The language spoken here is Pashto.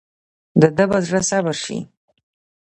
دده به زړه صبر شي.